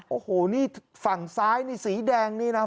โอ้โฮฝั่งซ้ายสีแดงนี่นะ